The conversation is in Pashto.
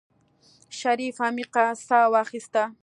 شريف عميقه سا واخيسته.